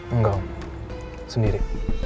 engga om sendiri